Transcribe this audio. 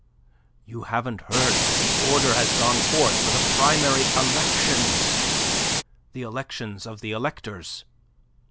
You haven't heard that the order has gone forth for the primary elections the elections of the electors.